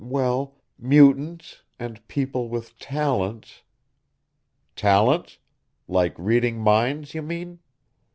well, mutants, and people with talents...." "Talents? Like reading minds, you mean?"